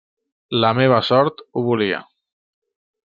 La meva sort ho volia.